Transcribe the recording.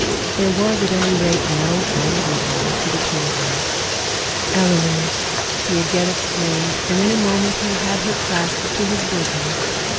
There was at any rate no anger there to deter him. 'Eleanor!' he again exclaimed; and in a moment he had her clasped to his bosom.